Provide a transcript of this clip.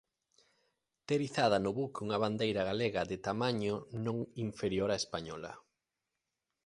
Ter izada no buque unha bandeira galega de tamaño non inferior á española.